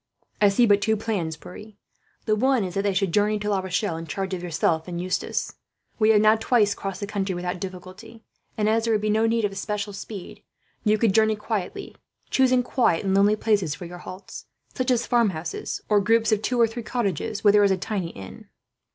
"I see but two plans, Pierre. The one is that they should journey to La Rochelle, in charge of yourself and Eustace. We have now twice crossed the country without difficulty and, as there would be no need of especial speed, you could journey quietly; choosing quiet and lonely places for your halts, such as farmhouses, or groups of two or three cottages where there is a tiny inn."